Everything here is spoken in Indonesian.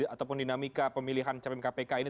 ataupun dinamika pemilihan capim kpk ini